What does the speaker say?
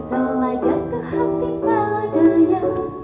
ku telah jaga hati padanya